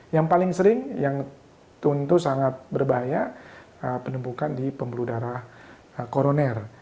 yang paling sering yang tentu sangat berbahaya penumpukan di pembuluh darah koroner